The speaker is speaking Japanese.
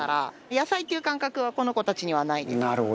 野菜っていう感覚はこの子たちにはないです。